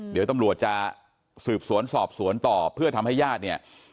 เดี๋ยวตำรวจจะสืบสวนสอบสวนต่อเพื่อทำให้ญาติเนี่ย